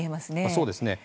そうですね。